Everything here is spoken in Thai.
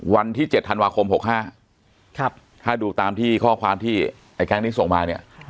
วันที่๗ธันวาคม๖๕ถ้าดูตามที่ข้อความที่ไอ้แก๊งนี้ส่งมาเนี่ย